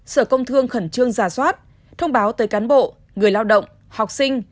sở công thương khẩn trương giả soát thông báo tới cán bộ người lao động học sinh